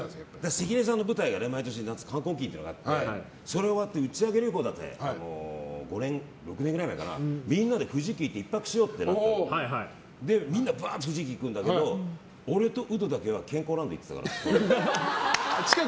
関根さんの舞台、毎年夏カンコンキンっていうのがあってそれが終わって打ち上げ旅行だって６年ぐらい前にみんなで富士急行って１泊しようってなってみんな富士急に行くんだけど俺とウドだけは健康ランド行ってたから。